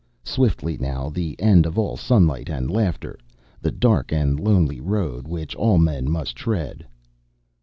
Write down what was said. Swiftly, now, the end of all sunlight and laughter, the dark and lonely road which all men must tread.